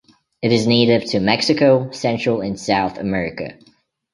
It is native to Mexico, Central and South America.